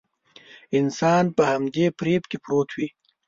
انسان په همدې فريب کې پروت وي.